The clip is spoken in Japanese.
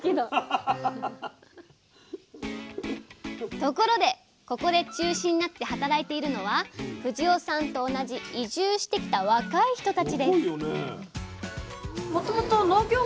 ところでここで中心になって働いているのは藤尾さんと同じ移住してきた若い人たちです